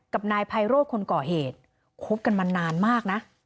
กับนายไพโรธคนก่อเหตุคบกันมานานมากนะ